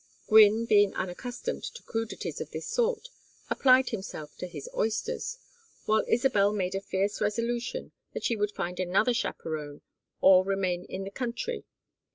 Gwynne, being unaccustomed to crudities of this sort, applied himself to his oysters, while Isabel made a fierce resolution that she would find another chaperon or remain in the country.